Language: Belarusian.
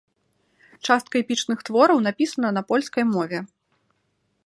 Частка эпічных твораў напісана на польскай мове.